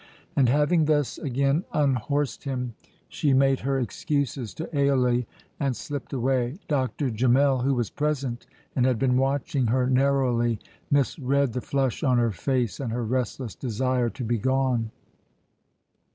And having thus again unhorsed him, she made her excuses to Ailie and slipped away. Dr. Gemmell, who was present and had been watching her narrowly, misread the flush on her face and her restless desire to be gone.